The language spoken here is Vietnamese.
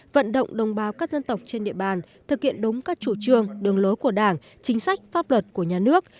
vận động đồng bào các dân tộc trên địa bàn thực hiện đúng các chủ trương đường lối của đảng chính sách pháp luật của nhà nước